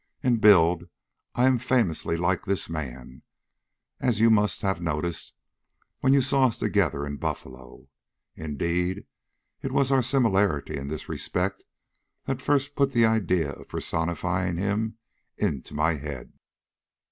In build I am famously like this man, as you must have noticed when you saw us together in Buffalo. Indeed, it was our similarity in this respect that first put the idea of personifying him into my head.